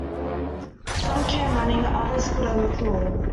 Some came running, others could only crawl.